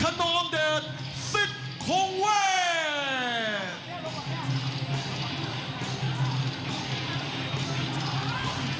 ขนมเด็ดศิษย์ของเวทย์